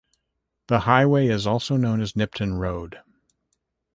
The highway is also known as Nipton Road.